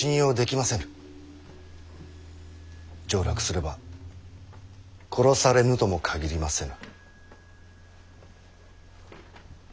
上洛すれば殺されぬとも限りませぬ。